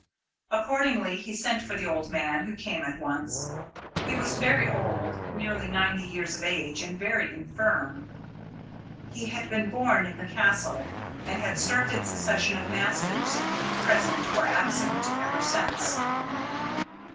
Accordingly, he sent for the old man, who came at once. He was very old, nearly ninety years of age, and very infirm. He had been born in the Castle, and had served its succession of masters present or absent ever since.